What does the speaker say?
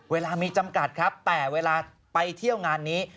เวลามีจำกัดครับแต่เวลาไปเที่ยวงานนี้